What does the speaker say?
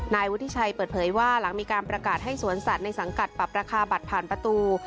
นายวุฒิชัยเปิดเผยว่าหลังมีการประกาศให้สวนสัตว์ในสังกัดปรับราคาบัตรผ่านประตู